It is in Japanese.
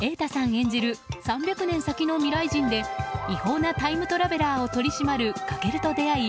演じる３００年先の未来人で違法なタイムトラベラーを取り締まる翔と出会い